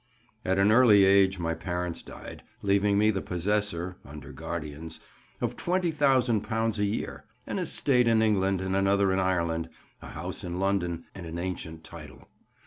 "At an early age my parents died, leaving me the possessor (under guardians) of £20,000 a year, an estate in England, and another in Ireland, a house in London, and an ancient title.